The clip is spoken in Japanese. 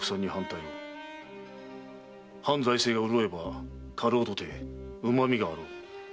藩財政が潤えば家老とて旨味があろう。